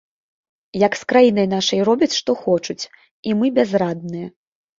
Як з краінай нашай робяць што хочуць, і мы бязрадныя.